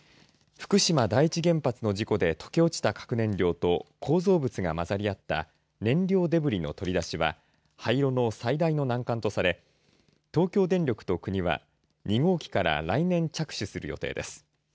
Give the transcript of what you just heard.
福島第一原発の事故で溶け落ちた核燃料と構造物が混ざり合った燃料デブリの取り出しは廃炉の最大の難関とされ東京電力と国は２号機から来年着手する予定です。